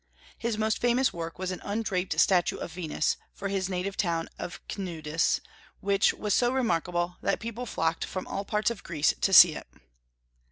His most famous work was an undraped statue of Venus, for his native town of Cnidus, which was so remarkable that people flocked from all parts of Greece to see it.